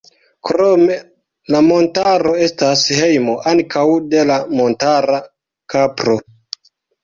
Krome, la montaro estas hejmo ankaŭ de la montara kapro.